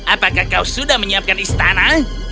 apakah kau sudah menyiapkan istana